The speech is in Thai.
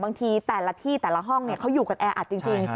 แต่ละที่แต่ละห้องเขาอยู่กันแออัดจริง